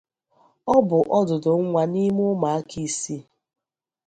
Ọ bụ ọdụdụ nwa n’ime ụmụaka isii.